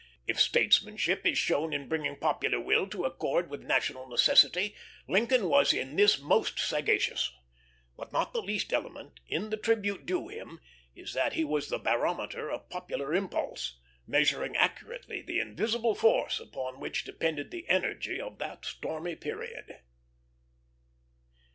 If statesmanship is shown in bringing popular will to accord with national necessity, Lincoln was in this most sagacious; but not the least element in the tribute due him is that he was the barometer of popular impulse, measuring accurately the invisible force upon which depended the energy of that stormy period.